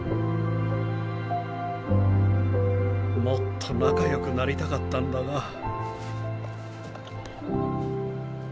もっと仲よくなりたかったんだが。